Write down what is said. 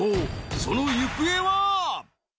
その行方は？